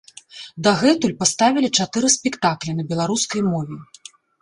Дагэтуль паставілі чатыры спектаклі на беларускай мове.